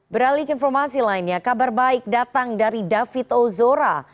beralik informasi lainnya kabar baik datang dari david ozora